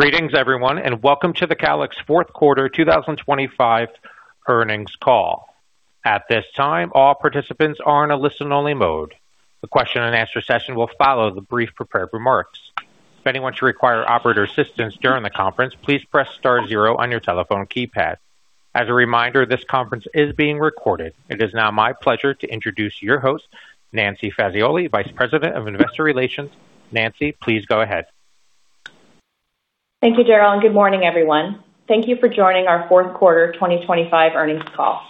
...Greetings, everyone, and welcome to the Calix fourth quarter 2025 earnings call. At this time, all participants are in a listen-only mode. The question and answer session will follow the brief prepared remarks. If anyone should require operator assistance during the conference, please press star zero on your telephone keypad. As a reminder, this conference is being recorded. It is now my pleasure to introduce your host, Nancy Fazioli, Vice President of Investor Relations. Nancy, please go ahead. Thank you, Daryl, and good morning, everyone. Thank you for joining our fourth quarter 2025 earnings call.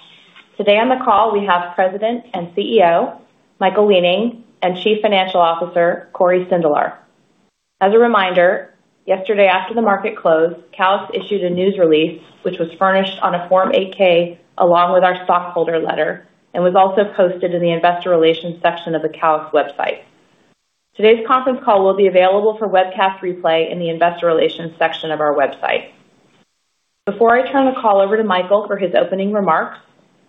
Today on the call, we have President and CEO, Michael Weening, and Chief Financial Officer, Cory Sindelar. As a reminder, yesterday after the market closed, Calix issued a news release, which was furnished on a Form 8-K, along with our stockholder letter and was also posted in the investor relations section of the Calix website. Today's conference call will be available for webcast replay in the investor relations section of our website. Before I turn the call over to Michael for his opening remarks,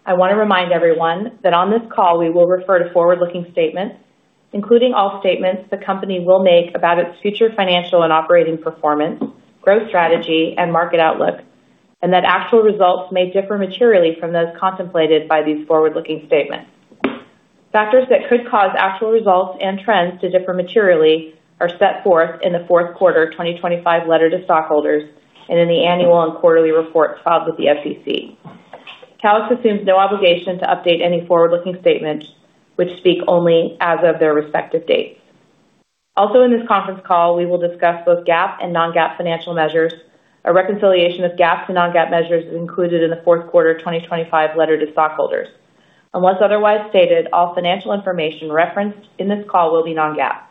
I want to remind everyone that on this call, we will refer to forward-looking statements, including all statements the company will make about its future financial and operating performance, growth strategy, and market outlook, and that actual results may differ materially from those contemplated by these forward-looking statements. Factors that could cause actual results and trends to differ materially are set forth in the fourth quarter 2025 letter to stockholders and in the annual and quarterly reports filed with the SEC. Calix assumes no obligation to update any forward-looking statements which speak only as of their respective dates. Also, in this conference call, we will discuss both GAAP and non-GAAP financial measures. A reconciliation of GAAP to non-GAAP measures is included in the fourth quarter 2025 letter to stockholders. Unless otherwise stated, all financial information referenced in this call will be non-GAAP.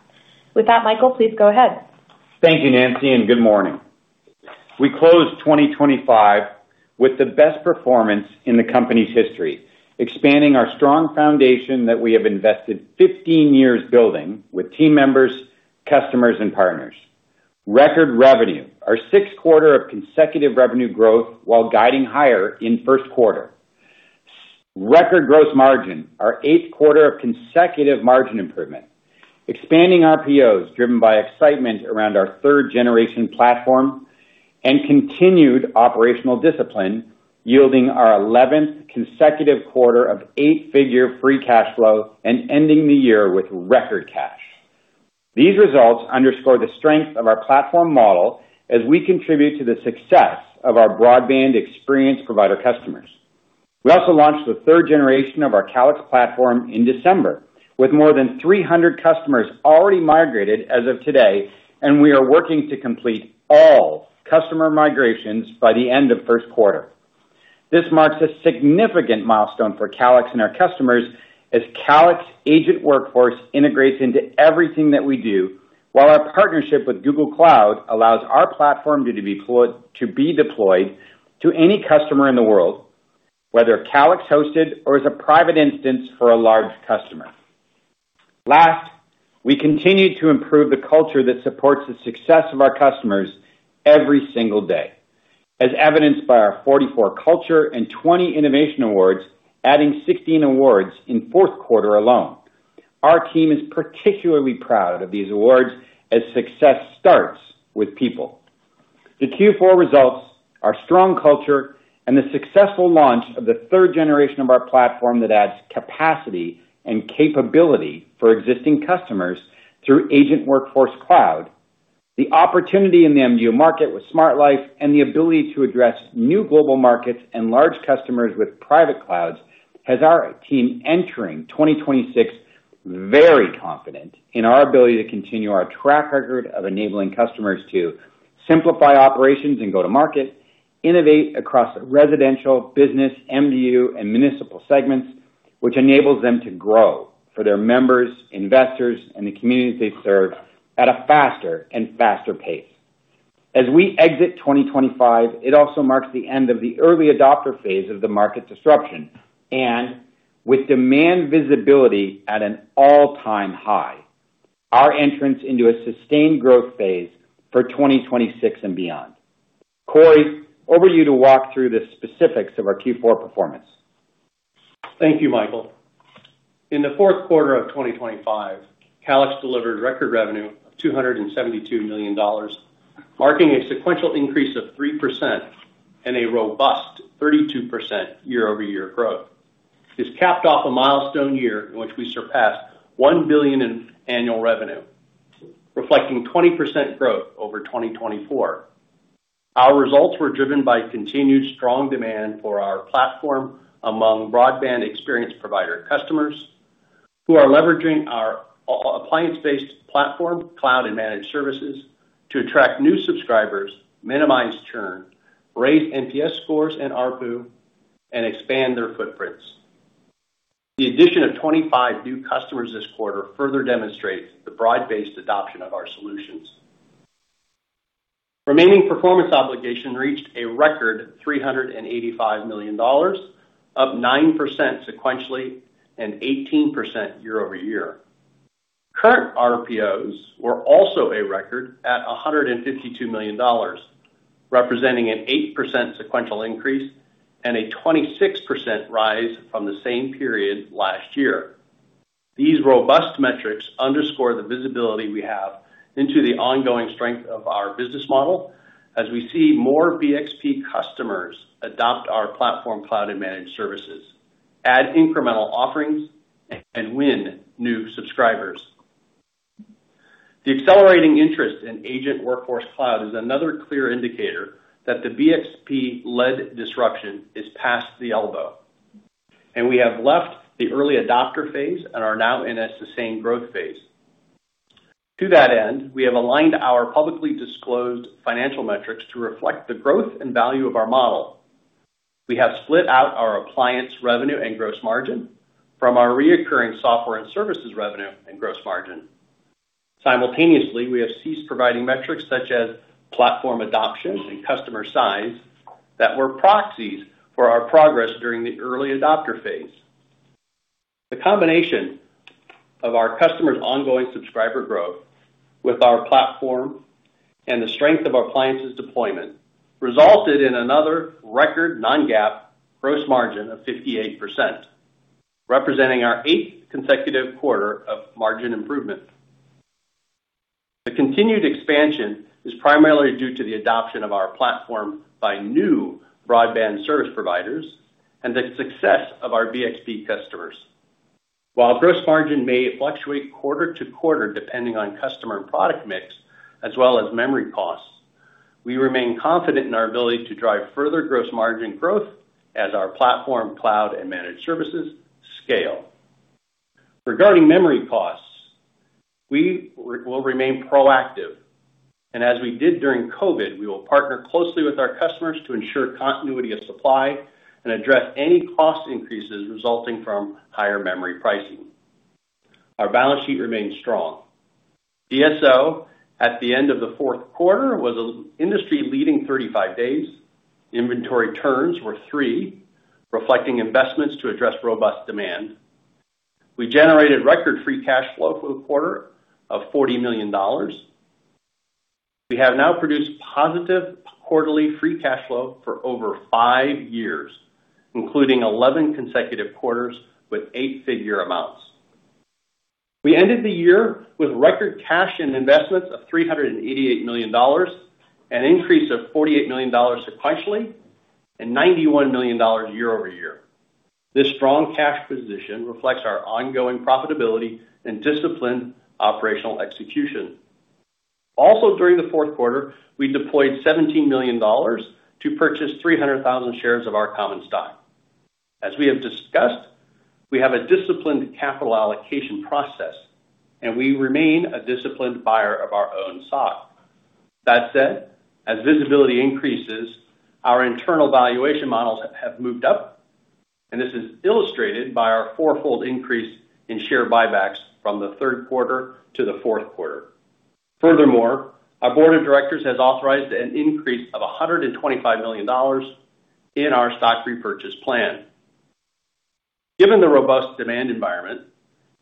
With that, Michael, please go ahead. Thank you, Nancy, and good morning. We closed 2025 with the best performance in the company's history, expanding our strong foundation that we have invested 15 years building with team members, customers, and partners. Record revenue, our sixth quarter of consecutive revenue growth while guiding higher in first quarter. Record gross margin, our eighth quarter of consecutive margin improvement, expanding RPOs, driven by excitement around our third generation platform and continued operational discipline, yielding our eleventh consecutive quarter of eight-figure free cash flow and ending the year with record cash. These results underscore the strength of our platform model as we contribute to the success of our Broadband Experience Provider customers. We also launched the third generation of our Calix platform in December, with more than 300 customers already migrated as of today, and we are working to complete all customer migrations by the end of first quarter. This marks a significant milestone for Calix and our customers as Calix Agent Workforce integrates into everything that we do, while our partnership with Google Cloud allows our platform to be deployed to any customer in the world, whether Calix hosted or as a private instance for a large customer. Last, we continued to improve the culture that supports the success of our customers every single day, as evidenced by our 44 culture and 20 innovation awards, adding 16 awards in fourth quarter alone. Our team is particularly proud of these awards as success starts with people. The Q4 results, our strong culture, and the successful launch of the third generation of our platform that adds capacity and capability for existing customers through Agent Workforce Cloud. The opportunity in the MDU market with SmartLife and the ability to address new global markets and large customers with private clouds has our team entering 2026 very confident in our ability to continue our track record of enabling customers to simplify operations and go to market, innovate across residential, business, MDU, and municipal segments, which enables them to grow for their members, investors, and the communities they serve at a faster and faster pace. As we exit 2025, it also marks the end of the early adopter phase of the market disruption and with demand visibility at an all-time high, our entrance into a sustained growth phase for 2026 and beyond. Cory, over to you to walk through the specifics of our Q4 performance. Thank you, Michael. In the fourth quarter of 2025, Calix delivered record revenue of $272 million, marking a sequential increase of 3% and a robust 32% year-over-year growth. This capped off a milestone year in which we surpassed $1 billion in annual revenue, reflecting 20% growth over 2024. Our results were driven by continued strong demand for our platform among Broadband Experience Provider customers, who are leveraging our appliance-based platform, cloud and managed services to attract new subscribers, minimize churn, raise NPS scores and ARPU, and expand their footprints. The addition of 25 new customers this quarter further demonstrates the broad-based adoption of our solutions. Remaining performance obligation reached a record $385 million, up 9% sequentially and 18% year-over-year. Current RPOs were also a record at $152 million, representing an 8% sequential increase and a 26% rise from the same period last year. These robust metrics underscore the visibility we have into the ongoing strength of our business model as we see more BXP customers adopt our platform, cloud, and managed services, add incremental offerings, and win new subscribers. The accelerating interest in Agent Workforce Cloud is another clear indicator that the BXP-led disruption is past the elbow, and we have left the early adopter phase and are now in a sustained growth phase. To that end, we have aligned our publicly disclosed financial metrics to reflect the growth and value of our model. We have split out our appliance revenue and gross margin from our recurring software and services revenue and gross margin. Simultaneously, we have ceased providing metrics such as platform adoption and customer size that were proxies for our progress during the early adopter phase. The combination of our customers' ongoing subscriber growth with our platform and the strength of our appliances deployment resulted in another record non-GAAP gross margin of 58%, representing our eighth consecutive quarter of margin improvement. The continued expansion is primarily due to the adoption of our platform by new broadband service providers and the success of our BXP customers. While gross margin may fluctuate quarter to quarter, depending on customer and product mix, as well as memory costs, we remain confident in our ability to drive further gross margin growth as our platform, cloud, and managed services scale. Regarding memory costs, we will remain proactive, and as we did during COVID, we will partner closely with our customers to ensure continuity of supply and address any cost increases resulting from higher memory pricing. Our balance sheet remains strong. DSO at the end of the fourth quarter was an industry-leading 35 days. Inventory turns were 3, reflecting investments to address robust demand. We generated record free cash flow for the quarter of $40 million. We have now produced positive quarterly free cash flow for over five years, including 11 consecutive quarters with eight-figure amounts. We ended the year with record cash and investments of $388 million, an increase of $48 million sequentially and $91 million year-over-year. This strong cash position reflects our ongoing profitability and disciplined operational execution. Also, during the fourth quarter, we deployed $17 million to purchase 300,000 shares of our common stock. As we have discussed, we have a disciplined capital allocation process, and we remain a disciplined buyer of our own stock. That said, as visibility increases, our internal valuation models have moved up, and this is illustrated by our fourfold increase in share buybacks from the third quarter to the fourth quarter. Furthermore, our board of directors has authorized an increase of $125 million in our stock repurchase plan. Given the robust demand environment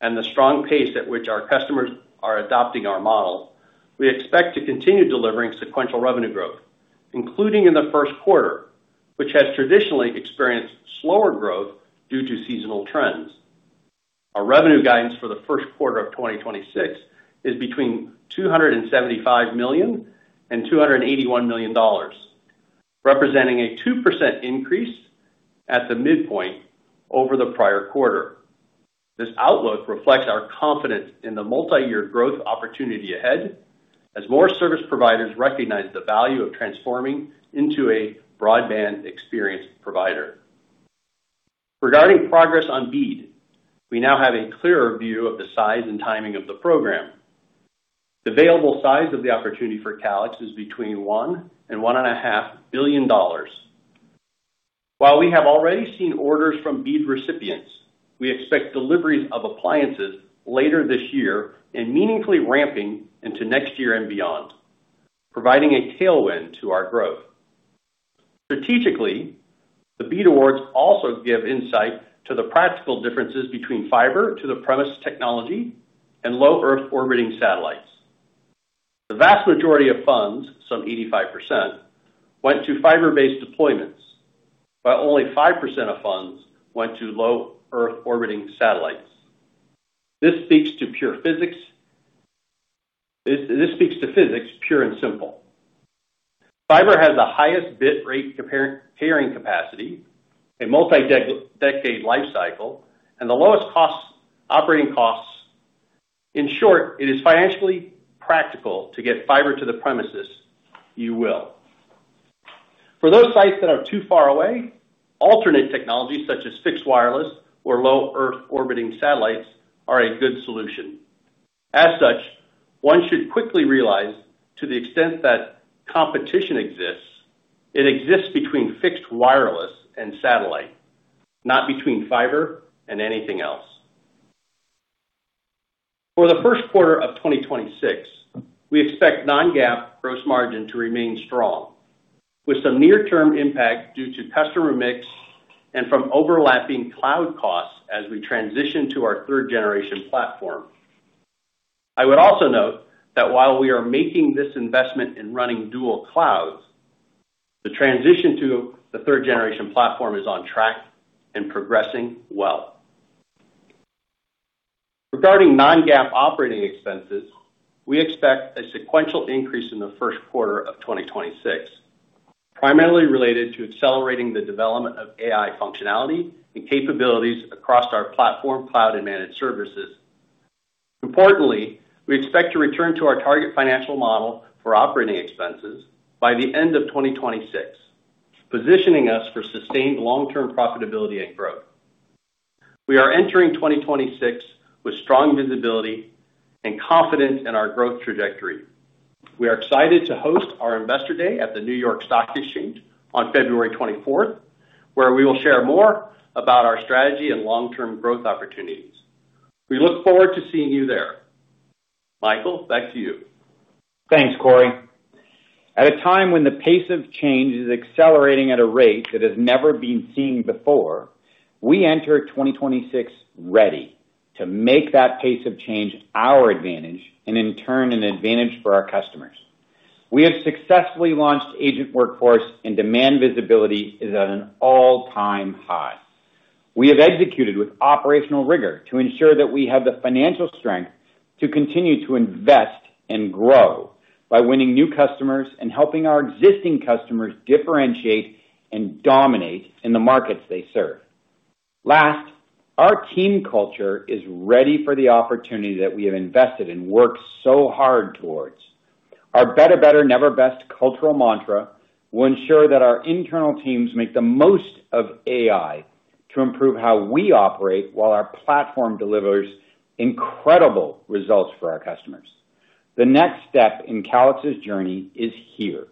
and the strong pace at which our customers are adopting our model, we expect to continue delivering sequential revenue growth, including in the first quarter, which has traditionally experienced slower growth due to seasonal trends. Our revenue guidance for the first quarter of 2026 is between $275 million and $281 million, representing a 2% increase at the midpoint over the prior quarter. This outlook reflects our confidence in the multi-year growth opportunity ahead, as more service providers recognize the value of transforming into a Broadband Experience Provider. Regarding progress on BEAD, we now have a clearer view of the size and timing of the program. The available size of the opportunity for Calix is between $1 billion and $1.5 billion. While we have already seen orders from BEAD recipients, we expect deliveries of appliances later this year and meaningfully ramping into next year and beyond, providing a tailwind to our growth. Strategically, the BEAD awards also give insight to the practical differences between fiber-to-the-premises technology and low Earth orbiting satellites. The vast majority of funds, some 85%, went to fiber-based deployments, while only 5% of funds went to low Earth orbiting satellites. This speaks to pure physics, this speaks to physics, pure and simple. Fiber has the highest bit rate carrying capacity, a multi-decade life cycle, and the lowest operating costs. In short, it is financially practical to get fiber to the premises, if you will. For those sites that are too far away, alternate technologies, such as fixed wireless or low Earth orbiting satellites, are a good solution. As such, one should quickly realize, to the extent that competition exists, it exists between fixed wireless and satellite, not between fiber and anything else. For the first quarter of 2026, we expect non-GAAP gross margin to remain strong, with some near-term impact due to customer mix and from overlapping cloud costs as we transition to our third-generation platform. I would also note that while we are making this investment in running dual clouds, the transition to the third generation platform is on track and progressing well. Regarding non-GAAP operating expenses, we expect a sequential increase in the first quarter of 2026, primarily related to accelerating the development of AI functionality and capabilities across our platform, cloud, and managed services. Importantly, we expect to return to our target financial model for operating expenses by the end of 2026, positioning us for sustained long-term profitability and growth. We are entering 2026 with strong visibility and confidence in our growth trajectory. We are excited to host our Investor Day at the New York Stock Exchange on February 24th, where we will share more about our strategy and long-term growth opportunities. We look forward to seeing you there. Michael, back to you. Thanks, Cory. At a time when the pace of change is accelerating at a rate that has never been seen before, we enter 2026 ready to make that pace of change our advantage and in turn, an advantage for our customers. We have successfully launched Agent Workforce and demand visibility is at an all-time high. We have executed with operational rigor to ensure that we have the financial strength to continue to invest and grow by winning new customers and helping our existing customers differentiate and dominate in the markets they serve. Last, our team culture is ready for the opportunity that we have invested and worked so hard towards. Our better, better, never best cultural mantra will ensure that our internal teams make the most of AI to improve how we operate, while our platform delivers incredible results for our customers. The next step in Calix's journey is here.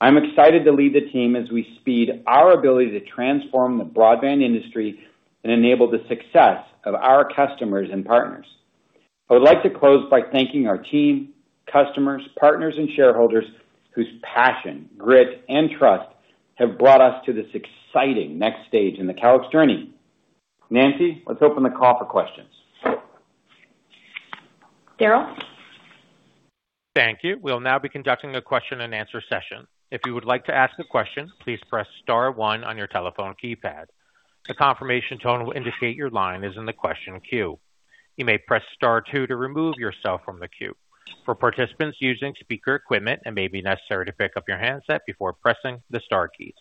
I'm excited to lead the team as we speed our ability to transform the broadband industry and enable the success of our customers and partners. I would like to close by thanking our team, customers, partners, and shareholders whose passion, grit, and trust have brought us to this exciting next stage in the Calix journey. Nancy, let's open the call for questions. Nancy? Thank you. We'll now be conducting a question-and-answer session. If you would like to ask a question, please press star one on your telephone keypad. A confirmation tone will indicate your line is in the question queue. You may press star two to remove yourself from the queue. For participants using speaker equipment, it may be necessary to pick up your handset before pressing the star keys.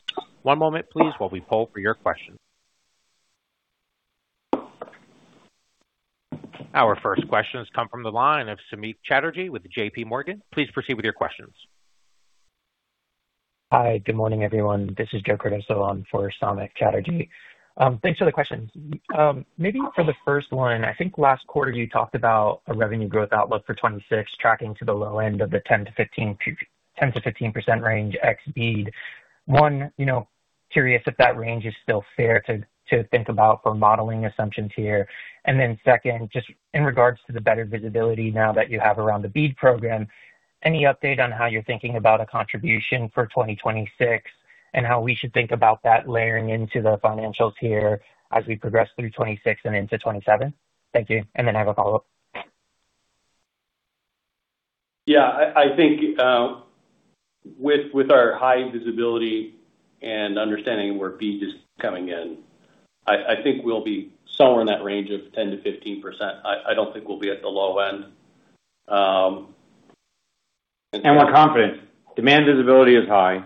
One moment, please, while we poll for your questions. Our first questions come from the line of Samik Chatterjee with JPMorgan. Please proceed with your questions. Hi, good morning, everyone. This is Joe Cardoso on for Samik Chatterjee. Thanks for the questions. Maybe for the first one, I think last quarter you talked about a revenue growth outlook for 2026, tracking to the low end of the 10%-15%, 10%-15% range ex-BEAD. You know, curious if that range is still fair to think about for modeling assumptions here. And then second, just in regards to the better visibility now that you have around the BEAD program, any update on how you're thinking about a contribution for 2026, and how we should think about that layering into the financials here as we progress through 2026 and into 2027? Thank you, and then I have a follow-up. Yeah, I think, with our high visibility and understanding where BEAD is coming in, I think we'll be somewhere in that range of 10%-15%. I don't think we'll be at the low end. We're confident. Demand visibility is high,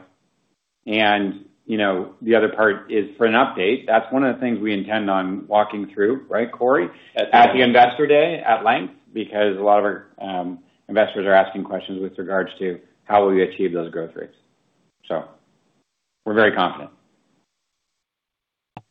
and you know, the other part is for an update. That's one of the things we intend on walking through, right, Cory? Yes. At the Investor Day at length, because a lot of our investors are asking questions with regards to how will we achieve those growth rates. So we're very confident.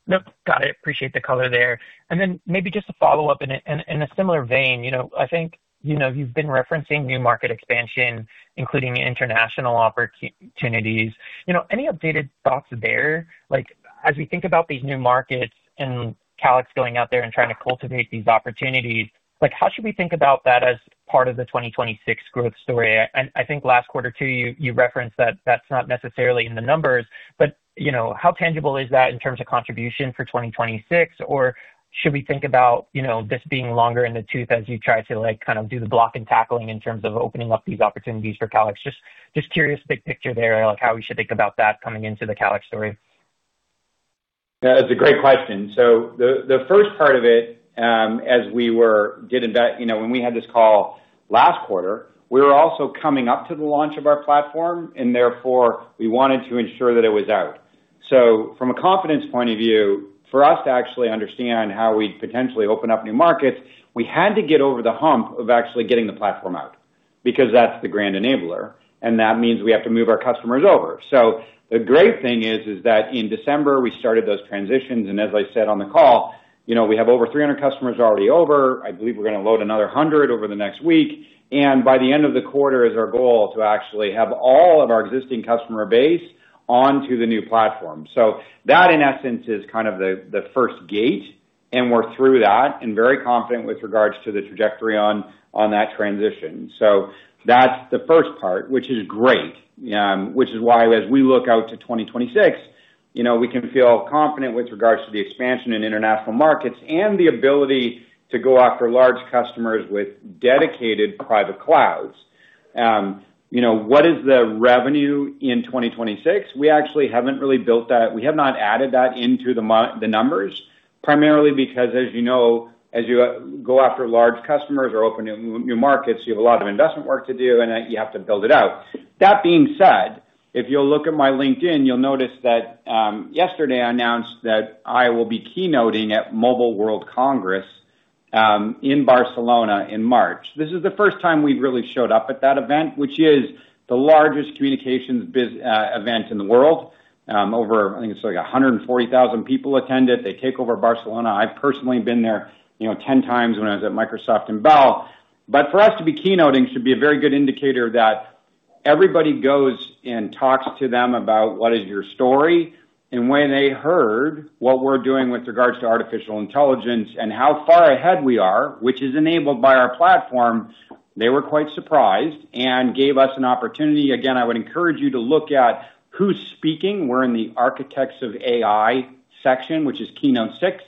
Nope. Got it. Appreciate the color there. And then maybe just a follow-up in a, in a similar vein, you know, I think, you know, you've been referencing new market expansion, including international opportunities. You know, any updated thoughts there? Like, as we think about these new markets and Calix going out there and trying to cultivate these opportunities, like, how should we think about that as part of the 2026 growth story? I, I think last quarter, too, you, you referenced that that's not necessarily in the numbers, but, you know, how tangible is that in terms of contribution for 2026? Or should we think about, you know, this being longer in the tooth as you try to, like, kind of do the block and tackling in terms of opening up these opportunities for Calix? Just curious, big picture there, like how we should think about that coming into the Calix story? That's a great question. So the first part of it, as we were, we did invest—you know, when we had this call last quarter, we were also coming up to the launch of our platform, and therefore, we wanted to ensure that it was out. So from a confidence point of view, for us to actually understand how we'd potentially open up new markets, we had to get over the hump of actually getting the platform out, because that's the grand enabler, and that means we have to move our customers over. So the great thing is that in December, we started those transitions, and as I said on the call, you know, we have over 300 customers already over. I believe we're going to load another 100 over the next week, and by the end of the quarter is our goal, to actually have all of our existing customer base onto the new platform. So that, in essence, is kind of the, the first gate, and we're through that and very confident with regards to the trajectory on, on that transition. So that's the first part, which is great, which is why as we look out to 2026. You know, we can feel confident with regards to the expansion in international markets and the ability to go after large customers with dedicated private clouds. You know, what is the revenue in 2026? We actually haven't really built that. We have not added that into the the numbers, primarily because, as you know, as you go after large customers or open new markets, you have a lot of investment work to do, and then you have to build it out. That being said, if you'll look at my LinkedIn, you'll notice that yesterday I announced that I will be keynoting at Mobile World Congress in Barcelona in March. This is the first time we've really showed up at that event, which is the largest communications biz event in the world. Over, I think it's like 140,000 people attend it. They take over Barcelona. I've personally been there, you know, 10 times when I was at Microsoft and Bell. But for us to be keynoting should be a very good indicator that everybody goes and talks to them about what is your story. And when they heard what we're doing with regards to artificial intelligence and how far ahead we are, which is enabled by our platform, they were quite surprised and gave us an opportunity. Again, I would encourage you to look at who's speaking. We're in the Architects of AI section, which is Keynote six.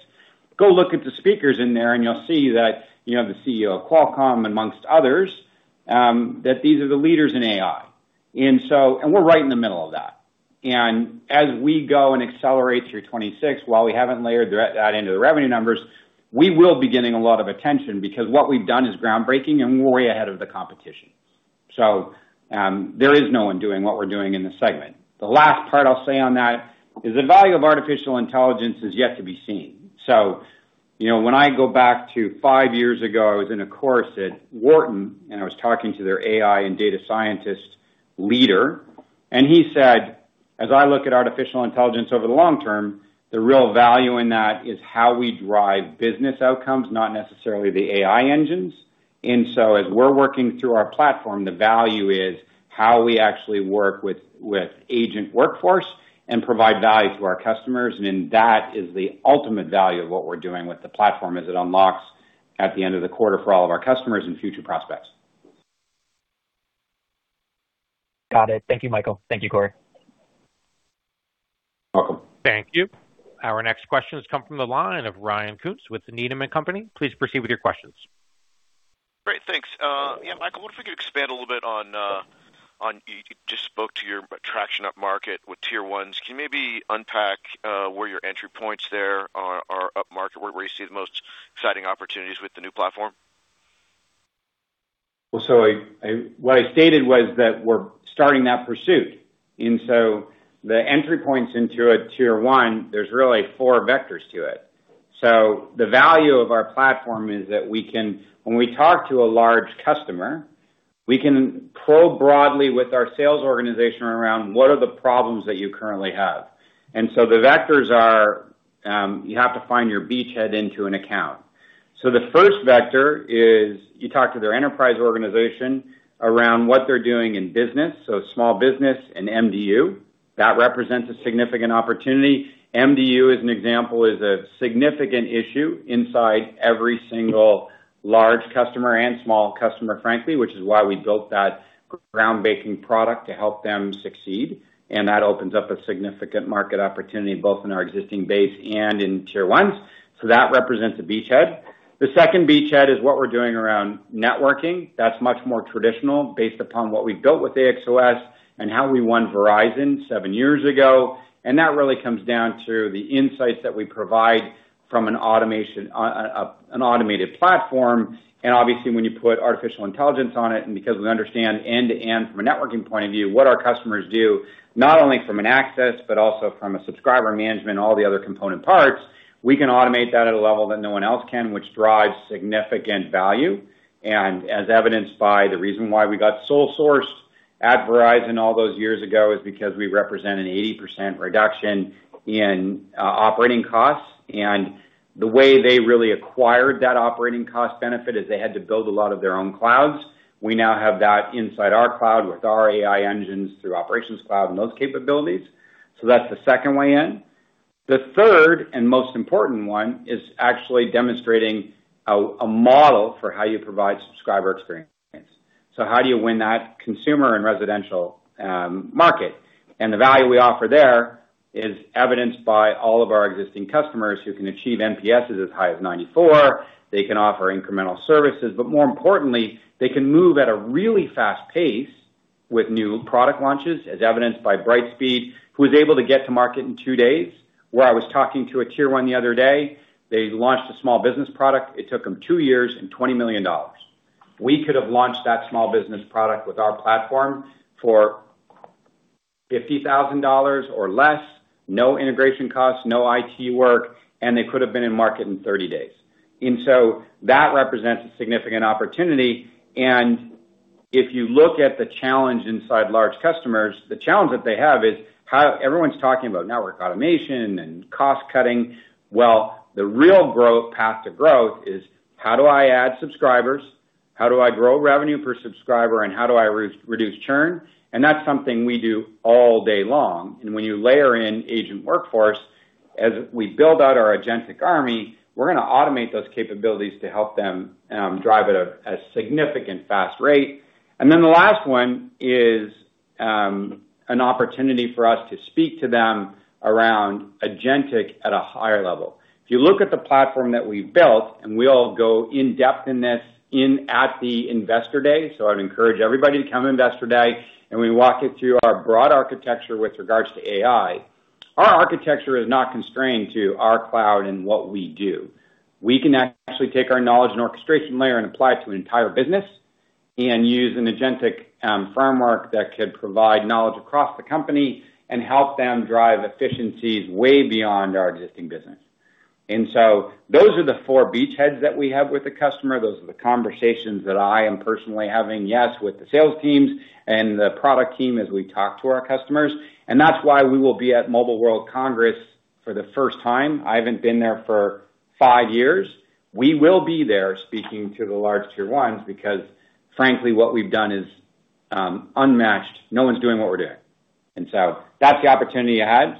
Go look at the speakers in there, and you'll see that, you know, the CEO of Qualcomm, amongst others, that these are the leaders in AI. And we're right in the middle of that. And as we go and accelerate through 2026, while we haven't layered that into the revenue numbers, we will be getting a lot of attention because what we've done is groundbreaking, and we're way ahead of the competition. So, there is no one doing what we're doing in this segment. The last part I'll say on that is, the value of artificial intelligence is yet to be seen. So you know, when I go back to five years ago, I was in a course at Wharton, and I was talking to their AI and data scientist leader, and he said, "As I look at artificial intelligence over the long term, the real value in that is how we drive business outcomes, not necessarily the AI engines." And so as we're working through our platform, the value is how we actually work with Agent Workforce and provide value to our customers, and then that is the ultimate value of what we're doing with the platform, as it unlocks at the end of the quarter for all of our customers and future prospects. Got it. Thank you, Michael. Thank you, Cory. Welcome. Thank you. Our next question has come from the line of Ryan Koontz with Needham & Company. Please proceed with your questions. Great, thanks. Yeah, Michael, I wonder if you could expand a little bit on, on... You just spoke to your traction upmarket with Tier Ones. Can you maybe unpack, where your entry points there are upmarket, where you see the most exciting opportunities with the new platform? Well, so I, what I stated was that we're starting that pursuit, and so the entry points into a Tier One, there's really four vectors to it. So the value of our platform is that we can, when we talk to a large customer, we can probe broadly with our sales organization around what are the problems that you currently have. And so the vectors are, you have to find your beachhead into an account. So the first vector is, you talk to their enterprise organization around what they're doing in business, so small business and MDU. That represents a significant opportunity. MDU, as an example, is a significant issue inside every single large customer and small customer, frankly, which is why we built that groundbreaking product to help them succeed, and that opens up a significant market opportunity, both in our existing base and in Tier Ones. So that represents a beachhead. The second beachhead is what we're doing around networking. That's much more traditional, based upon what we've built with AXOS and how we won Verizon seven years ago, and that really comes down to the insights that we provide from an automation, an automated platform. And obviously, when you put artificial intelligence on it, and because we understand end-to-end from a networking point of view, what our customers do, not only from an access but also from a subscriber management, all the other component parts, we can automate that at a level that no one else can, which drives significant value. And as evidenced by the reason why we got sole sourced at Verizon all those years ago, is because we represent an 80% reduction in operating costs. The way they really acquired that operating cost benefit is they had to build a lot of their own clouds. We now have that inside our cloud with our AI engines through Operations Cloud and those capabilities. That's the second way in. The third and most important one is actually demonstrating a model for how you provide subscriber experience. How do you win that consumer and residential market? The value we offer there is evidenced by all of our existing customers who can achieve NPSs as high as 94. They can offer incremental services, but more importantly, they can move at a really fast pace with new product launches, as evidenced by Brightspeed, who was able to get to market in two days. Where I was talking to a Tier One the other day, they launched a small business product. It took them 2 years and $20 million. We could have launched that small business product with our platform for $50,000 or less, no integration costs, no IT work, and they could have been in market in 30 days. And so that represents a significant opportunity, and if you look at the challenge inside large customers, the challenge that they have is how, everyone's talking about network automation and cost cutting. Well, the real growth, path to growth is: How do I add subscribers? How do I grow revenue per subscriber? And how do I re-reduce churn? And that's something we do all day long. And when you layer in Agent Workforce-... as we build out our agentic army, we're gonna automate those capabilities to help them drive at a significant fast rate. And then the last one is an opportunity for us to speak to them around agentic at a higher level. If you look at the platform that we've built, and we all go in-depth at the Investor Day, so I'd encourage everybody to come to Investor Day, and we walk you through our broad architecture with regards to AI. Our architecture is not constrained to our cloud and what we do. We can actually take our knowledge and orchestration layer and apply it to an entire business, and use an agentic framework that could provide knowledge across the company and help them drive efficiencies way beyond our existing business. And so those are the four beachheads that we have with the customer. Those are the conversations that I am personally having, yes, with the sales teams and the product team as we talk to our customers, and that's why we will be at Mobile World Congress for the first time. I haven't been there for five years. We will be there speaking to the large Tier Ones because, frankly, what we've done is unmatched. No one's doing what we're doing. And so that's the opportunity you had.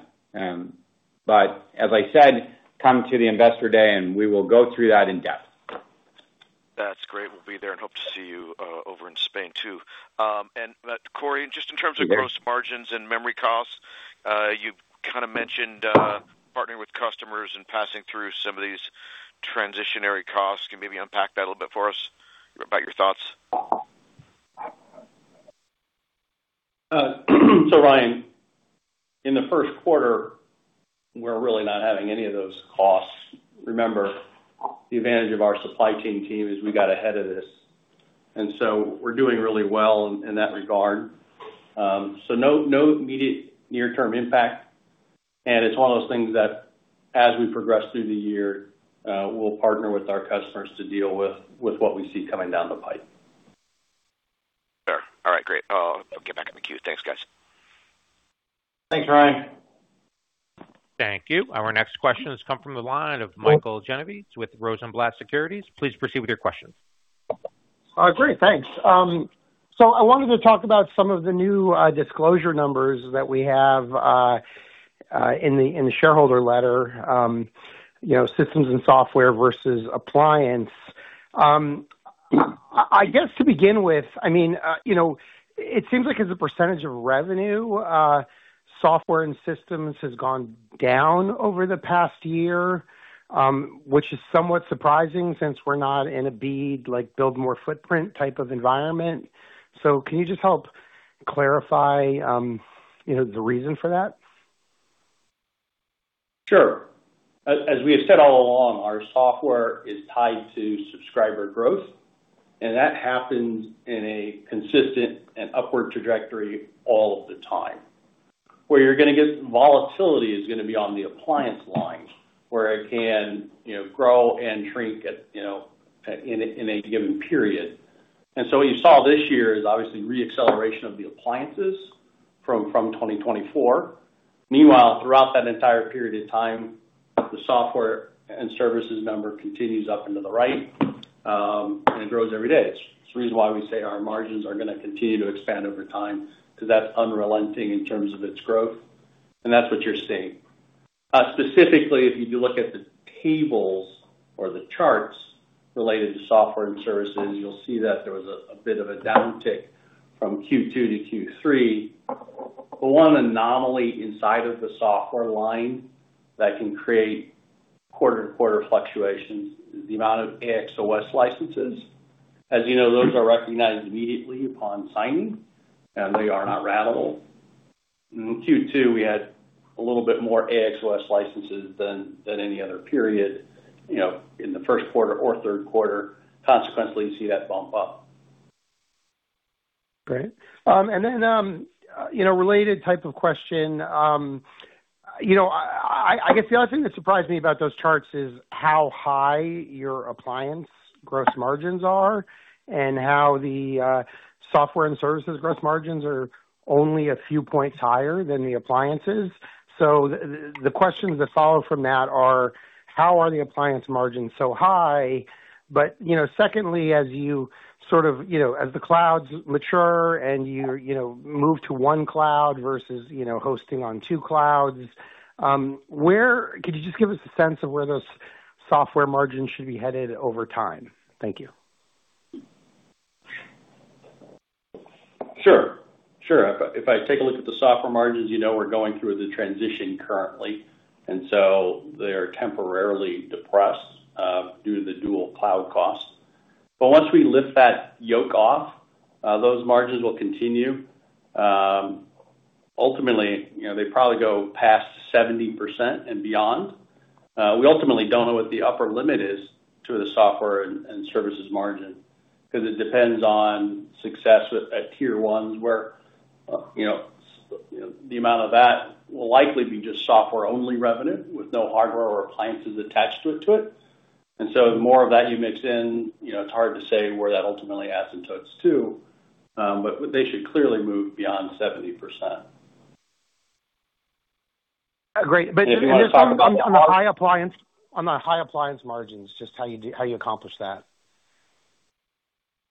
But as I said, come to the Investor Day, and we will go through that in depth. That's great. We'll be there and hope to see you over in Spain, too. And, Cory, just in terms of gross margins and memory costs, you kind of mentioned partnering with customers and passing through some of these transitional costs. Can you maybe unpack that a little bit for us about your thoughts? So Ryan, in the first quarter, we're really not having any of those costs. Remember, the advantage of our supply chain team is we got ahead of this, and so we're doing really well in that regard. So no immediate near-term impact, and it's one of those things that as we progress through the year, we'll partner with our customers to deal with what we see coming down the pipe. Sure. All right, great. I'll get back in the queue. Thanks, guys. Thanks, Ryan. Thank you. Our next question has come from the line of Michael Genovese with Rosenblatt Securities. Please proceed with your question. Great, thanks. So I wanted to talk about some of the new disclosure numbers that we have in the shareholder letter, you know, systems and software versus appliance. I guess to begin with, I mean, you know, it seems like as a percentage of revenue, software and systems has gone down over the past year, which is somewhat surprising since we're not in a BEAD, like build more footprint type of environment. So can you just help clarify, you know, the reason for that? Sure. As we have said all along, our software is tied to subscriber growth, and that happens in a consistent and upward trajectory all of the time. Where you're gonna get volatility is gonna be on the appliance line, where it can, you know, grow and shrink at, you know, in a given period. And so what you saw this year is obviously reacceleration of the appliances from 2024. Meanwhile, throughout that entire period of time, the software and services number continues up into the right, and it grows every day. It's the reason why we say our margins are gonna continue to expand over time, because that's unrelenting in terms of its growth, and that's what you're seeing. Specifically, if you do look at the tables or the charts related to software and services, you'll see that there was a bit of a downtick from Q2 to Q3. But one anomaly inside of the software line that can create quarter-to-quarter fluctuations is the amount of AXOS licenses. As you know, those are recognized immediately upon signing, and they are not ratable. In Q2, we had a little bit more AXOS licenses than any other period, you know, in the first quarter or third quarter. Consequently, you see that bump up. Great. And then, you know, related type of question, you know, I guess the other thing that surprised me about those charts is how high your appliance gross margins are and how the software and services gross margins are only a few points higher than the appliances. So the questions that follow from that are: How are the appliance margins so high? But, you know, secondly, as you sort of, you know, as the clouds mature and you know, move to one cloud versus, you know, hosting on two clouds, where could you just give us a sense of where those software margins should be headed over time? Thank you. Sure. Sure. If I, if I take a look at the software margins, you know we're going through the transition currently, and so they're temporarily depressed due to the dual cloud costs. But once we lift that yoke off, those margins will continue. Ultimately, you know, they probably go past 70% and beyond. We ultimately don't know what the upper limit is to the software and services margin because it depends on success at Tier Ones, where you know, the amount of that will likely be just software-only revenue with no hardware or appliances attached to it. And so the more of that you mix in, you know, it's hard to say where that ultimately adds into it too, but they should clearly move beyond 70%. Great. But just talking about on the high appliance margins, just how you accomplish that?...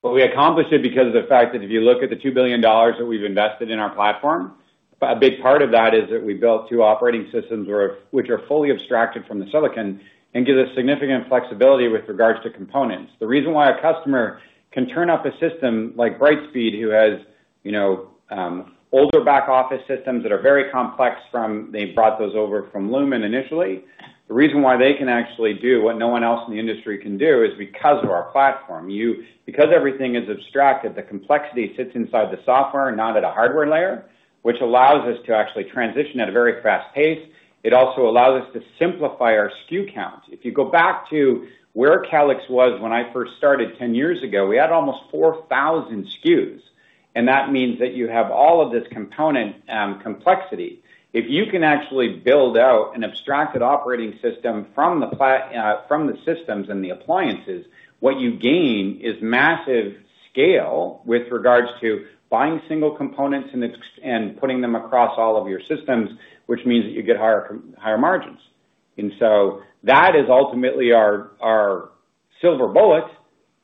Well, we accomplished it because of the fact that if you look at the $2 billion that we've invested in our platform, a big part of that is that we built two operating systems which are fully abstracted from the silicon and give us significant flexibility with regards to components. The reason why a customer can turn up a system like Brightspeed, who has, you know, older back-office systems that are very complex from, they brought those over from Lumen initially. The reason why they can actually do what no one else in the industry can do, is because of our platform. Because everything is abstracted, the complexity sits inside the software, not at a hardware layer, which allows us to actually transition at a very fast pace. It also allows us to simplify our SKU count. If you go back to where Calix was when I first started 10 years ago, we had almost 4,000 SKUs, and that means that you have all of this component complexity. If you can actually build out an abstracted operating system from the systems and the appliances, what you gain is massive scale with regards to buying single components and putting them across all of your systems, which means that you get higher margins. And so that is ultimately our silver bullet,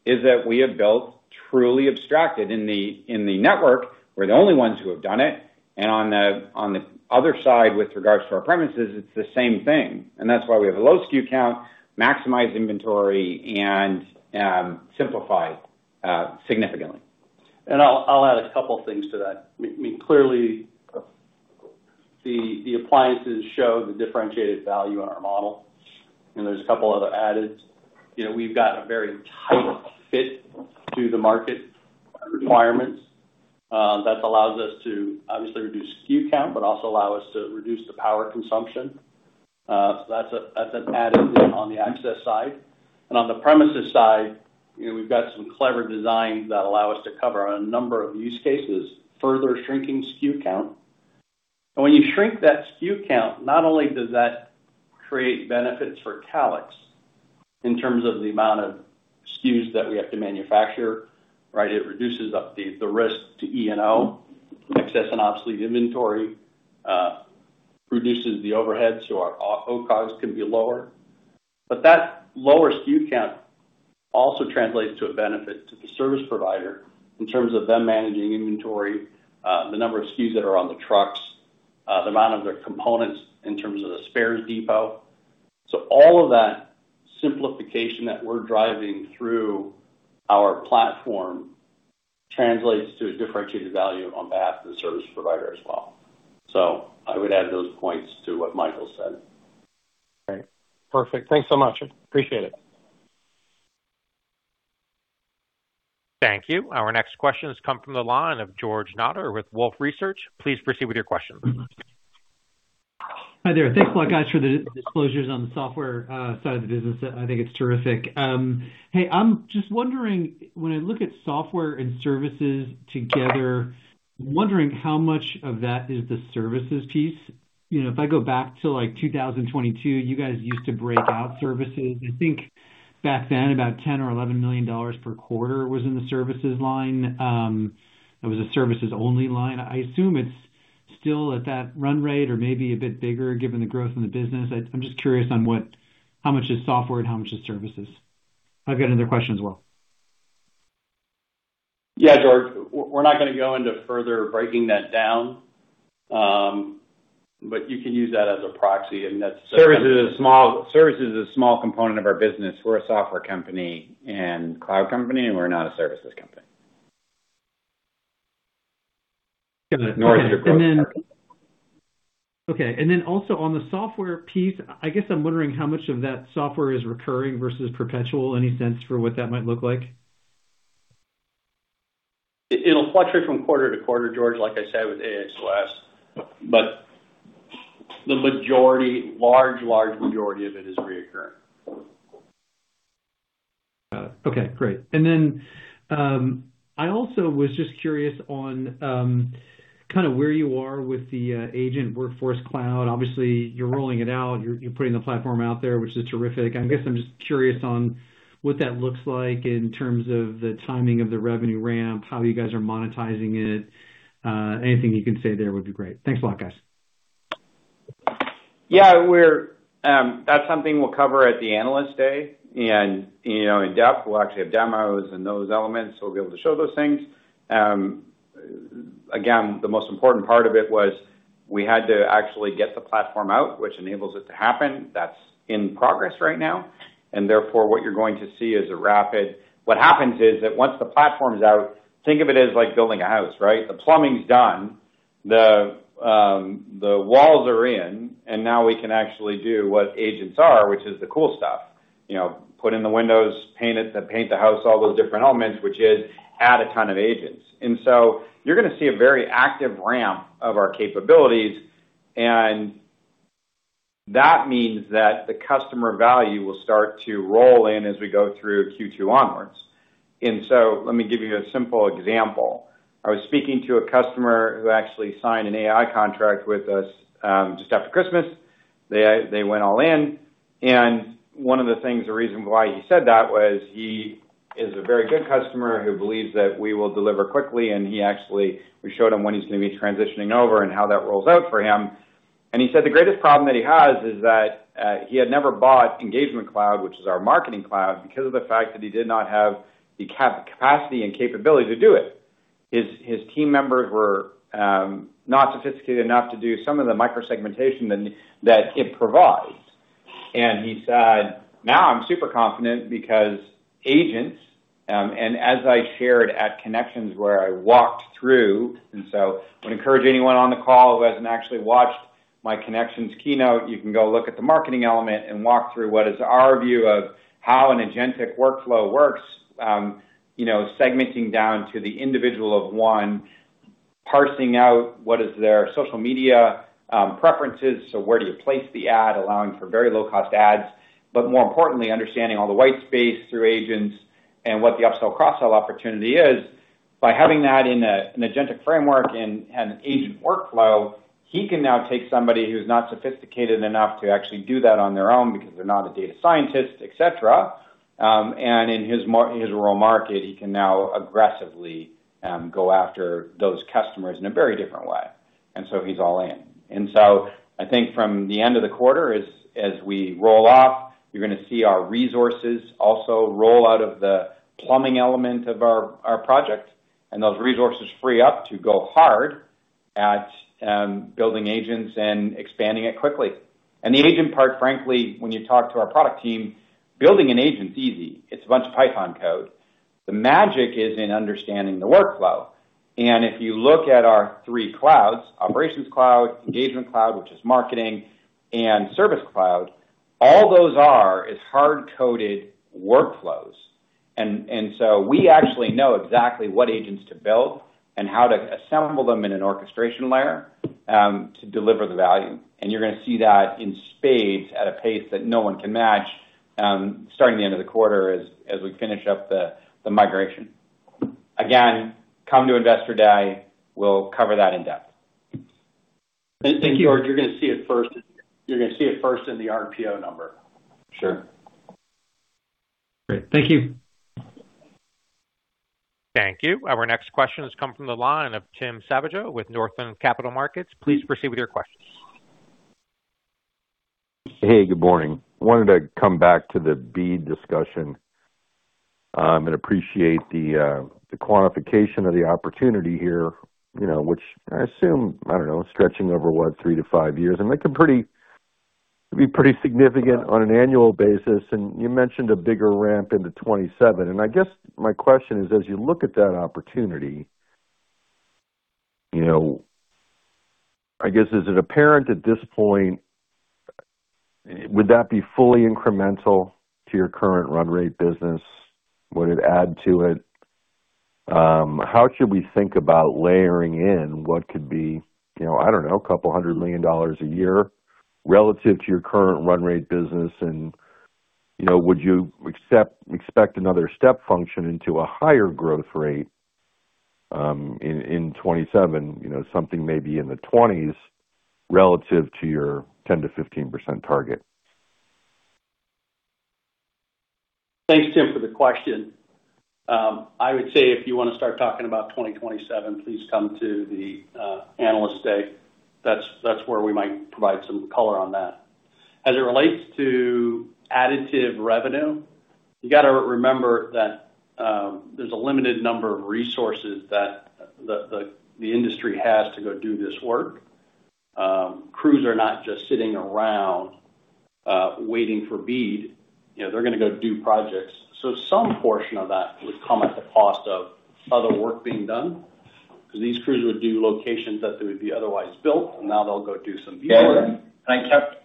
is that we have built truly abstracted in the network. We're the only ones who have done it, and on the other side, with regards to our premises, it's the same thing. And that's why we have a low SKU count, maximize inventory, and simplify significantly. And I'll add a couple things to that. I mean, clearly, the appliances show the differentiated value on our model, and there's a couple other added. You know, we've got a very tight fit to the market requirements that allows us to obviously reduce SKU count, but also allow us to reduce the power consumption. So that's an added on the access side. And on the premises side, you know, we've got some clever designs that allow us to cover a number of use cases, further shrinking SKU count. And when you shrink that SKU count, not only does that create benefits for Calix in terms of the amount of SKUs that we have to manufacture, right? It reduces the risk to E&O, excess and obsolete inventory, reduces the overhead, so our COGS can be lower. But that lower SKU count also translates to a benefit to the service provider in terms of them managing inventory, the number of SKUs that are on the trucks, the amount of their components in terms of the spares depot. So all of that simplification that we're driving through our platform translates to a differentiated value on behalf of the service provider as well. So I would add those points to what Michael said. Great. Perfect. Thanks so much. Appreciate it. Thank you. Our next question has come from the line of George Notter with Wolfe Research. Please proceed with your question. Hi there. Thanks a lot, guys, for the disclosures on the software side of the business. I think it's terrific. Hey, I'm just wondering, when I look at software and services together, I'm wondering how much of that is the services piece. You know, if I go back to, like, 2022, you guys used to break out services. I think back then, about $10 million or $11 million per quarter was in the services line. It was a services-only line. I'm just curious on what -- how much is software and how much is services. I've got another question as well. Yeah, George, we're not gonna go into further breaking that down, but you can use that as a proxy, and that's- Service is a small component of our business. We're a software company and cloud company, and we're not a services company. Got it. Nor is your growth part. Okay, and then also on the software piece, I guess I'm wondering how much of that software is recurring versus perpetual. Any sense for what that might look like? It'll fluctuate from quarter to quarter, George, like I said, with AXOS, but the majority, large, large majority of it is recurring. Got it. Okay, great. And then, I also was just curious on, kinda where you are with the Agent Workforce Cloud. Obviously, you're rolling it out, you're putting the platform out there, which is terrific. I guess I'm just curious on what that looks like in terms of the timing of the revenue ramp, how you guys are monetizing it. Anything you can say there would be great. Thanks a lot, guys. Yeah, we're... that's something we'll cover at the Analyst Day, and, you know, in depth, we'll actually have demos and those elements, so we'll be able to show those things. Again, the most important part of it was we had to actually get the platform out, which enables it to happen. That's in progress right now, and therefore, what you're going to see is a rapid... What happens is that once the platform is out, think of it as like building a house, right? The plumbing's done, the walls are in, and now we can actually do what agents are, which is the cool stuff. You know, put in the windows, paint it, the paint the house, all those different elements, which is add a ton of agents. You're gonna see a very active ramp of our capabilities, and that means that the customer value will start to roll in as we go through Q2 onwards. Let me give you a simple example. I was speaking to a customer who actually signed an AI contract with us just after Christmas. They went all in, and one of the things, the reason why he said that was he is a very good customer who believes that we will deliver quickly, and he actually, we showed him when he's gonna be transitioning over and how that rolls out for him. He said the greatest problem that he has is that he had never bought Engagement Cloud, which is our marketing cloud, because of the fact that he did not have the capacity and capability to do it. His team members were not sophisticated enough to do some of the micro-segmentation that it provides. And he said, "Now I'm super confident because agents," and as I shared at ConneXions, where I walked through, and so I would encourage anyone on the call who hasn't actually watched my ConneXions keynote, you can go look at the marketing element and walk through what is our view of how an agentic workflow works. You know, segmenting down to the individual of one, parsing out what is their social media preferences, so where do you place the ad, allowing for very low-cost ads, but more importantly, understanding all the white space through agents and what the upsell, cross-sell opportunity is. By having that in an agentic framework and agent workflow, he can now take somebody who's not sophisticated enough to actually do that on their own because they're not a data scientist, et cetera, and in his rural market, he can now aggressively go after those customers in a very different way. And so he's all in. And so I think from the end of the quarter, as we roll off, you're gonna see our resources also roll out of the plumbing element of our project, and those resources free up to go hard at building agents and expanding it quickly. And the agent part, frankly, when you talk to our product team, building an agent's easy. It's a bunch of Python code. The magic is in understanding the workflow. And if you look at our three clouds, Operations Cloud, Engagement Cloud, which is marketing, and Service Cloud, all those are, is hard-coded workflows. And, and so we actually know exactly what agents to build and how to assemble them in an orchestration layer, to deliver the value. And you're gonna see that in spades at a pace that no one can match, starting the end of the quarter as, as we finish up the, the migration. Again, come to Investor Day, we'll cover that in depth. Thank you, George. You're gonna see it first, you're gonna see it first in the RPO number. Sure. Great. Thank you. Thank you. Our next question has come from the line of Tim Savageau with Northland Capital Markets. Please proceed with your questions. Hey, good morning. Wanted to come back to the BEAD discussion and appreciate the quantification of the opportunity here, you know, which I assume, I don't know, stretching over, what? 3-5 years, and that could be pretty significant on an annual basis. And you mentioned a bigger ramp into 2027. And I guess my question is, as you look at that opportunity, you know, I guess, is it apparent at this point, would that be fully incremental to your current run rate business? Would it add to it? How should we think about layering in what could be, you know, I don't know, $200 million a year relative to your current run rate business? You know, would you expect another step function into a higher growth rate in 2027, you know, something maybe in the twenties, relative to your 10%-15% target? Thanks, Tim, for the question. I would say if you wanna start talking about 2027, please come to the Analyst Day. That's where we might provide some color on that. As it relates to additive revenue, you got to remember that there's a limited number of resources that the industry has to go do this work. Crews are not just sitting around waiting for BEAD, you know, they're gonna go do projects. So some portion of that would come at the cost of other work being done, because these crews would do locations that they would be otherwise built, and now they'll go do some BEAD. Yeah. And I kept-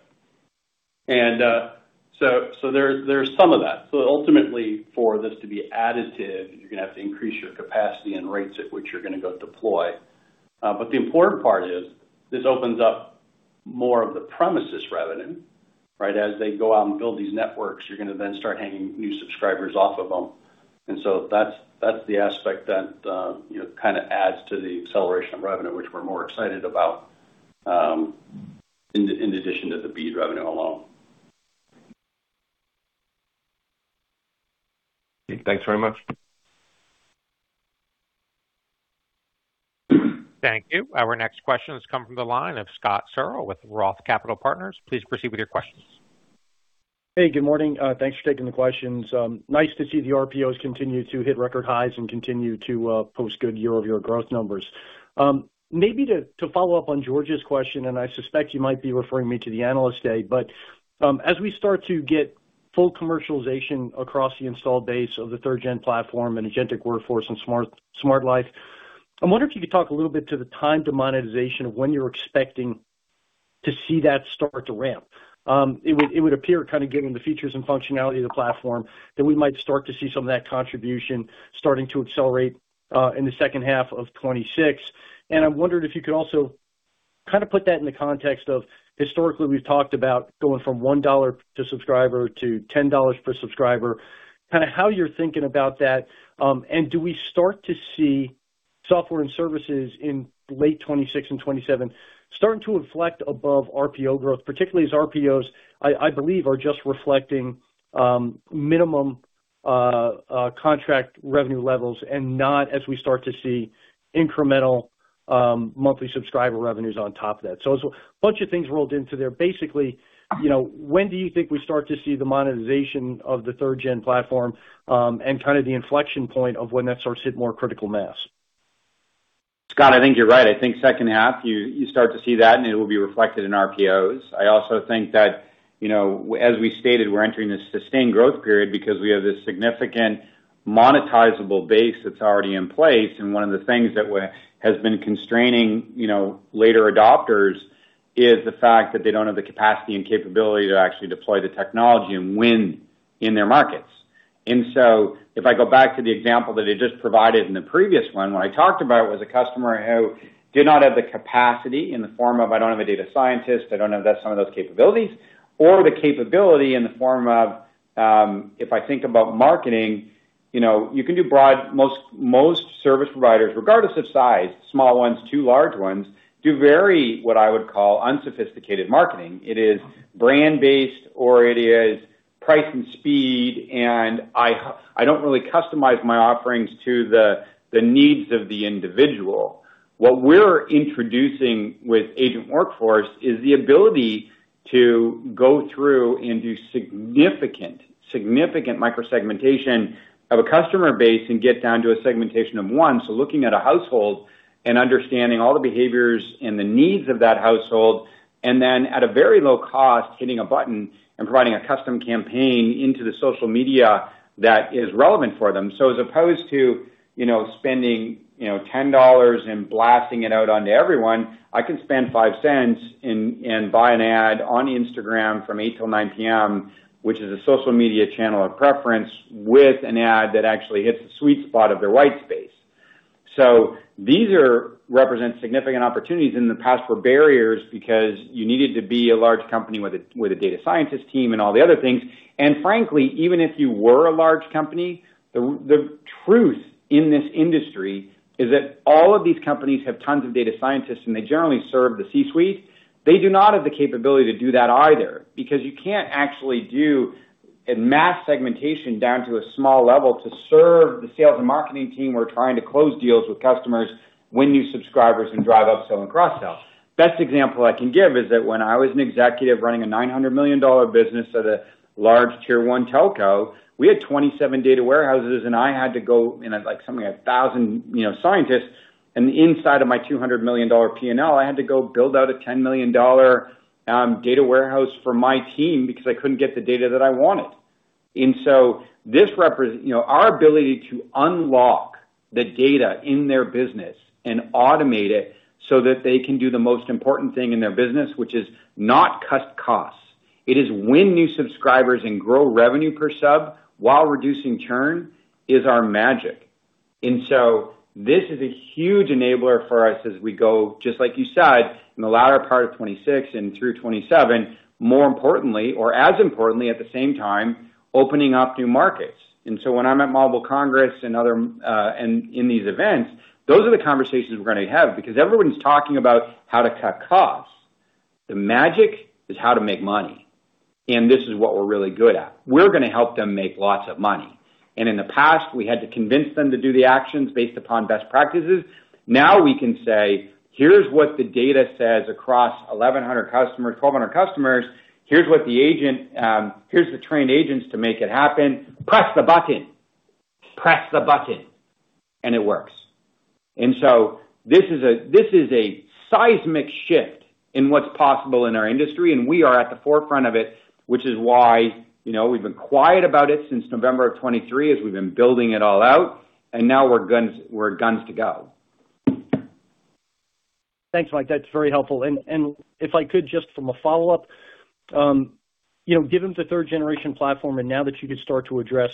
So there's some of that. So ultimately, for this to be additive, you're gonna have to increase your capacity and rates at which you're gonna go deploy. But the important part is, this opens up more of the premises revenue, right? As they go out and build these networks, you're gonna then start hanging new subscribers off of them. And so that's the aspect that, you know, kind of adds to the acceleration of revenue, which we're more excited about, in addition to the BEAD revenue alone. Thanks very much. Thank you. Our next question has come from the line of Scott Searle with Roth Capital Partners. Please proceed with your questions. Hey, good morning. Thanks for taking the questions. Nice to see the RPOs continue to hit record highs and continue to post good year-over-year growth numbers. Maybe to follow up on George's question, and I suspect you might be referring me to the Analyst Day, but as we start to get full commercialization across the installed base of the third-gen platform and agentic workforce and SmartLife, I'm wondering if you could talk a little bit to the time to monetization of when you're expecting to see that start to ramp? It would appear, kind of given the features and functionality of the platform, that we might start to see some of that contribution starting to accelerate in the second half of 2026. I wondered if you could also kind of put that in the context of, historically, we've talked about going from $1 per subscriber to $10 per subscriber, kind of how you're thinking about that, and do we start to see software and services in late 2026 and 2027 starting to inflect above RPO growth, particularly as RPOs, I believe, are just reflecting minimum contract revenue levels and not as we start to see incremental monthly subscriber revenues on top of that. So it's a bunch of things rolled into there. Basically, you know, when do you think we start to see the monetization of the third-gen platform, and kind of the inflection point of when that starts to hit more critical mass? Scott, I think you're right. I think second half, you start to see that, and it will be reflected in RPOs. I also think that, you know, as we stated, we're entering this sustained growth period because we have this significant monetizable base that's already in place, and one of the things that has been constraining, you know, later adopters is the fact that they don't have the capacity and capability to actually deploy the technology and win in their markets. If I go back to the example that I just provided in the previous one, what I talked about was a customer who did not have the capacity in the form of, I don't have a data scientist, I don't have that, some of those capabilities, or the capability in the form of, if I think about marketing, you know, you can do most, most service providers, regardless of size, small ones to large ones, do very, what I would call, unsophisticated marketing. It is brand-based, or it is price and speed, and I, I don't really customize my offerings to the, the needs of the individual. What we're introducing with Agent Workforce is the ability to go through and do significant, significant micro segmentation of a customer base and get down to a segmentation of one. So looking at a household and understanding all the behaviors and the needs of that household, and then at a very low cost, hitting a button and providing a custom campaign into the social media that is relevant for them. So as opposed to, you know, spending, you know, $10 and blasting it out onto everyone, I can spend $0.05 and buy an ad on Instagram from 8:00 P.M. till 9:00 P.M., which is a social media channel of preference, with an ad that actually hits the sweet spot of their white space. So these represent significant opportunities. In the past were barriers because you needed to be a large company with a data scientist team and all the other things. Frankly, even if you were a large company, the truth in this industry is that all of these companies have tons of data scientists, and they generally serve the C-suite. They do not have the capability to do that either, because you can't actually do a mass segmentation down to a small level to serve the sales and marketing team who are trying to close deals with customers, win new subscribers, and drive upsell and cross-sell. Best example I can give is that when I was an executive running a $900 million business at a large Tier One telco, we had 27 data warehouses, and I had to go, and I had, like, something like a thousand, you know, scientists, and inside of my $200 million P&L, I had to go build out a $10 million data warehouse for my team because I couldn't get the data that I wanted. And so this represents. You know, our ability to unlock the data in their business and automate it so that they can do the most important thing in their business, which is not cut costs, it is win new subscribers and grow revenue per sub while reducing churn, is our magic. And so this is a huge enabler for us as we go, just like you said, in the latter part of 2026 and through 2027. More importantly, or as importantly, at the same time, opening up new markets. And so when I'm at Mobile World Congress and other, and in these events, those are the conversations we're gonna have because everyone's talking about how to cut costs. The magic is how to make money, and this is what we're really good at. We're gonna help them make lots of money. And in the past, we had to convince them to do the actions based upon best practices. Now, we can say, "Here's what the data says across 1,100 customers, 1,200 customers. Here's what the agent, here's the trained agents to make it happen. Press the button. Press the button," and it works. So this is a seismic shift in what's possible in our industry, and we are at the forefront of it, which is why, you know, we've been quiet about it since November of 2023, as we've been building it all out, and now we're good to go. Thanks, Mike. That's very helpful. And if I could just from a follow-up, you know, given the third generation platform and now that you could start to address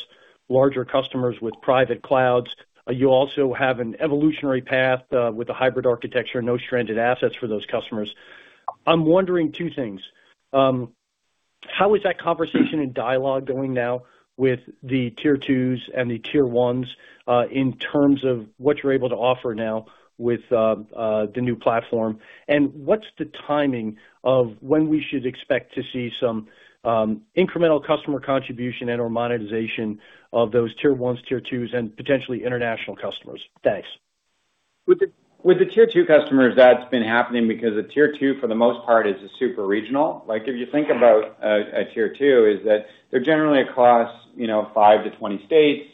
larger customers with private clouds, you also have an evolutionary path, with the hybrid architecture, no stranded assets for those customers. I'm wondering two things: How is that conversation and dialogue going now with the Tier Twos and the Tier Ones, in terms of what you're able to offer now with, the new platform? And what's the timing of when we should expect to see some, incremental customer contribution and/or monetization of those Tier Ones, Tier Twos, and potentially international customers? Thanks. With the Tier Two customers, that's been happening because a Tier Two, for the most part, is a super regional. Like, if you think about a Tier Two, is that they're generally across, you know, 5-20 states.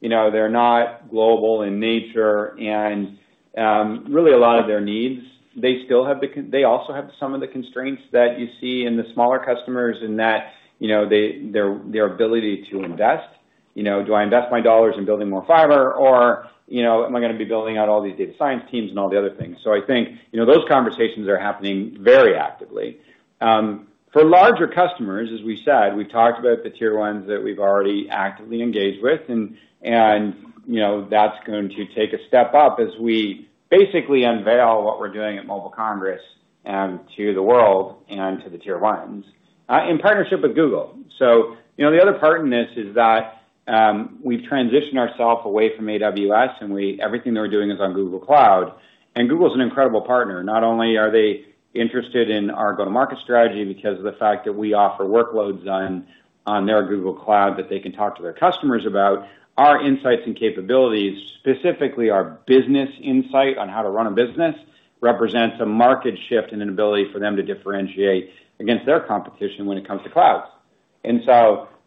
You know, they're not global in nature and, really a lot of their needs, they still have the constraints that you see in the smaller customers in that, you know, their ability to invest. You know, do I invest my dollars in building more fiber or, you know, am I gonna be building out all these data science teams and all the other things? So I think, you know, those conversations are happening very actively. For larger customers, as we said, we talked about the Tier Ones that we've already actively engaged with and, you know, that's going to take a step up as we basically unveil what we're doing at Mobile Congress to the world and to the Tier Ones in partnership with Google. So, you know, the other part in this is that we've transitioned ourself away from AWS, and everything that we're doing is on Google Cloud, and Google is an incredible partner. Not only are they interested in our go-to-market strategy because of the fact that we offer workloads on their Google Cloud that they can talk to their customers about, our insights and capabilities, specifically our business insight on how to run a business, represents a market shift and an ability for them to differentiate against their competition when it comes to clouds.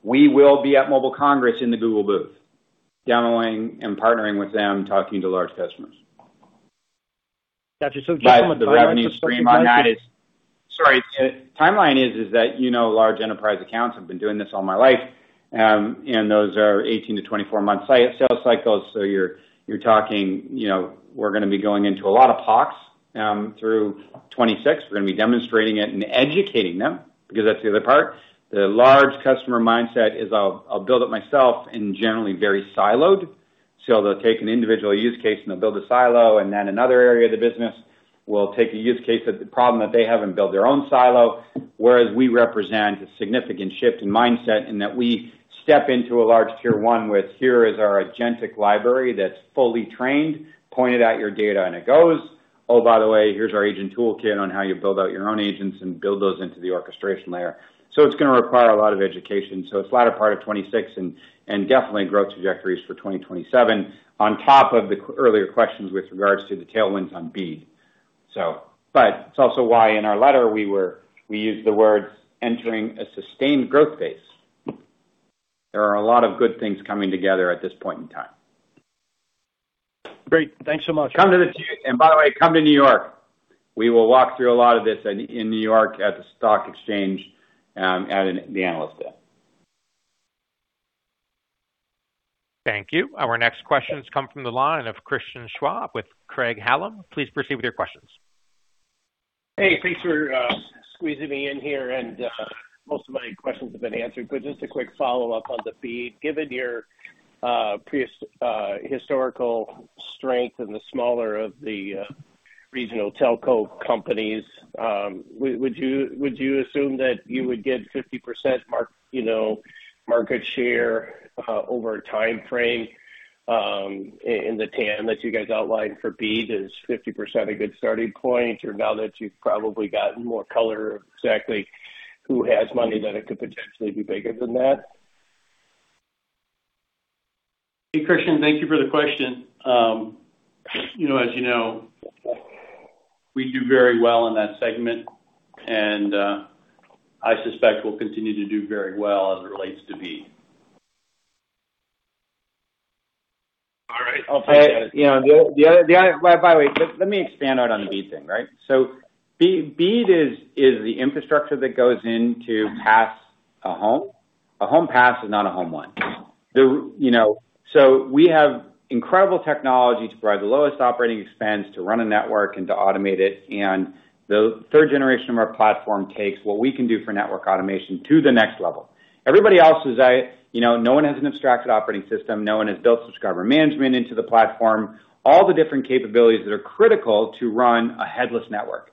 We will be at Mobile Congress in the Google booth, demoing and partnering with them, talking to large customers. Got you. So just from a timeline- The revenue stream on that is, sorry, the timeline is, that, you know, large enterprise accounts have been doing this all my life, and those are 18-24-month sales cycles. So you're talking, you know, we're gonna be going into a lot of POCs, through 2026. We're gonna be demonstrating it and educating them, because that's the other part. The large customer mindset is I'll build it myself and generally very siloed. So they'll take an individual use case, and they'll build a silo, and then another area of the business will take a use case of the problem that they have and build their own silo. Whereas we represent a significant shift in mindset and that we step into a large Tier One with, here is our agentic library that's fully trained, point it at your data, and it goes. Oh, by the way, here's our agent toolkit on how you build out your own agents and build those into the orchestration layer. So it's gonna require a lot of education, so it's latter part of 2026 and, and definitely growth trajectories for 2027, on top of the Q&A earlier questions with regards to the tailwinds on BEAD. So, but it's also why, in our letter, we were, we used the words entering a sustained growth phase. There are a lot of good things coming together at this point in time. Great. Thanks so much. Come to the... And by the way, come to New York. We will walk through a lot of this in New York at the Stock Exchange, at the Analyst Day. Thank you. Our next question has come from the line of Christian Schwab, with Craig-Hallum. Please proceed with your questions. Hey, thanks for squeezing me in here, and most of my questions have been answered, but just a quick follow-up on the BEAD. Given your historical strength and the smaller of the regional telco companies, would you assume that you would get 50% market share, you know, over a timeframe in the TAM that you guys outlined for BEAD? Is 50% a good starting point, or now that you've probably gotten more color, exactly who has money, that it could potentially be bigger than that? Hey, Christian, thank you for the question. You know, as you know, we do very well in that segment, and I suspect we'll continue to do very well as it relates to BEAD. All right. I'll take that. You know, by the way, let me expand out on the BEAD thing, right? So BEAD is the infrastructure that goes into a home pass. A home pass is not a home line. You know, so we have incredible technology to provide the lowest operating expense to run a network and to automate it, and the third generation of our platform takes what we can do for network automation to the next level. Everybody else is at, you know, no one has an abstracted operating system, no one has built subscriber management into the platform, all the different capabilities that are critical to run a headless network.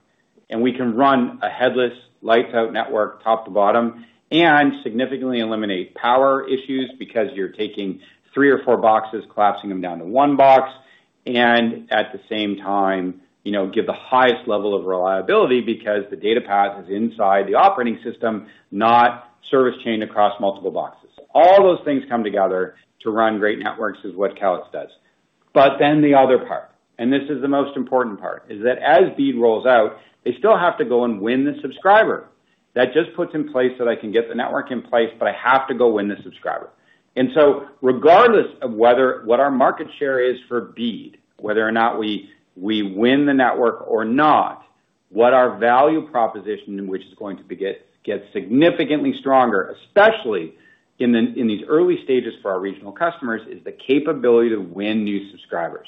We can run a headless, lights-out network, top to bottom, and significantly eliminate power issues, because you're taking 3 or 4 boxes, collapsing them down to one box, and at the same time, you know, give the highest level of reliability because the data path is inside the operating system, not service chain across multiple boxes. All those things come together to run great networks, is what Calix does. But then the other part, and this is the most important part, is that as BEAD rolls out, they still have to go and win the subscriber. That just puts in place that I can get the network in place, but I have to go win the subscriber. And so regardless of whether what our market share is for BEAD, whether or not we win the network or not, what our value proposition, and which is going to get significantly stronger, especially in these early stages for our regional customers, is the capability to win new subscribers.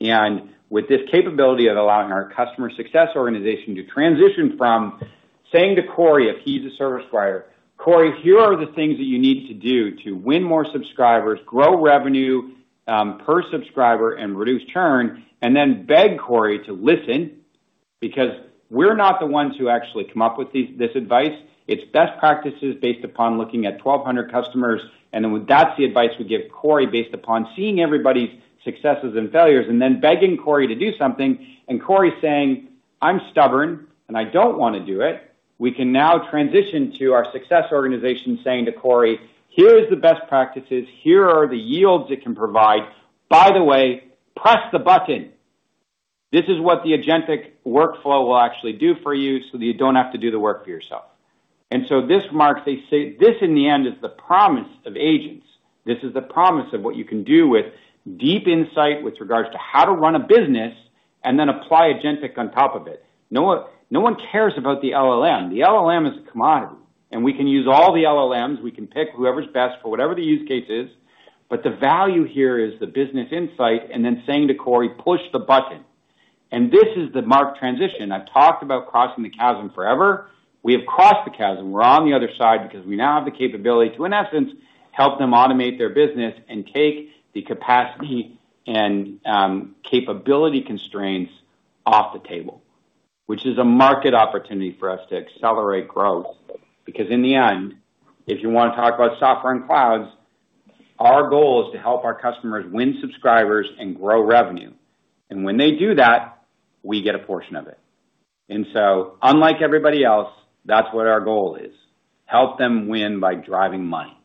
And with this capability of allowing our customer success organization to transition from saying to Cory, if he's a service provider, "Cory, here are the things that you need to do to win more subscribers, grow revenue per subscriber, and reduce churn," and then beg Cory to listen, because we're not the ones who actually come up with this advice. It's best practices based upon looking at 1,200 customers, and then that's the advice we give Cory, based upon seeing everybody's successes and failures, and then begging Cory to do something, and Cory saying, "I'm stubborn, and I don't want to do it." We can now transition to our success organization saying to Cory, "Here is the best practices. Here are the yields it can provide. By the way, press the button. This is what the agentic workflow will actually do for you so that you don't have to do the work for yourself." And so this marks a, this, in the end, is the promise of agents. This is the promise of what you can do with deep insight, with regards to how to run a business, and then apply agentic on top of it. No one, no one cares about the LLM. The LLM is a commodity, and we can use all the LLMs. We can pick whoever's best for whatever the use case is, but the value here is the business insight and then saying to Cory, "Push the button." This is the marked transition. I've talked about crossing the chasm forever. We have crossed the chasm. We're on the other side because we now have the capability to, in essence, help them automate their business and take the capacity and capability constraints off the table, which is a market opportunity for us to accelerate growth. Because in the end, if you want to talk about software and clouds, our goal is to help our customers win subscribers and grow revenue. And when they do that, we get a portion of it. And so, unlike everybody else, that's what our goal is: help them win by driving money.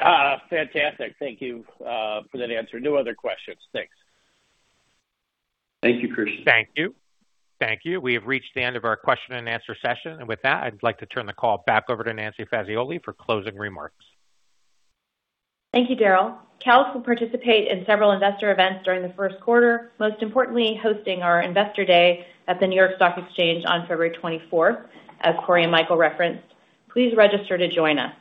Ah, fantastic. Thank you for that answer. No other questions. Thanks. Thank you, Christian. Thank you. Thank you. We have reached the end of our question and answer session, and with that, I'd like to turn the call back over to Nancy Fazioli for closing remarks. Thank you, Daryl. Calix will participate in several investor events during the first quarter, most importantly, hosting our Investor Day at the New York Stock Exchange on February twenty-fourth, as Cory and Michael referenced. Please register to join us.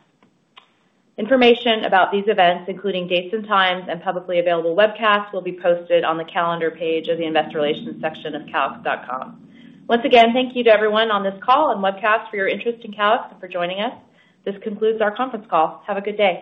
Information about these events, including dates and times and publicly available webcasts, will be posted on the Calendar page of the Investor Relations section of calix.com. Once again, thank you to everyone on this call and webcast for your interest in Calix and for joining us. This concludes our conference call. Have a good day.